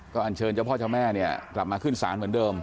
อันเชิญเจ้าพ่อเจ้าแม่เนี่ยกลับมาขึ้นศาลเหมือนเดิม